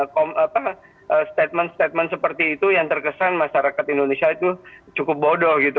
karena statement statement seperti itu yang terkesan masyarakat indonesia itu cukup bodoh